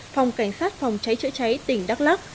phòng cảnh sát phòng cháy chữa cháy tỉnh đắk lắc